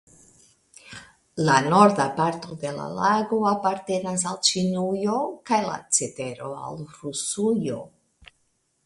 La norda parto de la lago apartenas al Ĉinujo kaj la cetero al Rusujo.